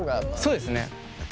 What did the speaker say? そうですね。